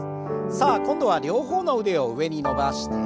さあ今度は両方の腕を上に伸ばして。